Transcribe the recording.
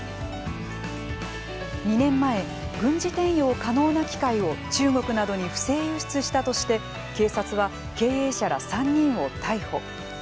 ２年前、軍事転用可能な機械を中国などに不正輸出したとして警察は経営者ら３人を逮捕。